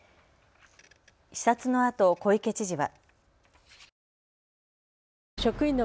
視察のあと小池知事は。